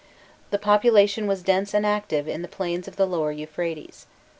* The population was dense and life active in the plains of the Lower Euphrates.